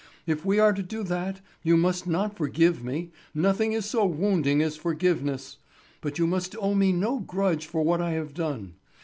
If we are to do that, you must not forgive me—nothing is so wounding as forgiveness—but you must owe me no grudge for what I have done.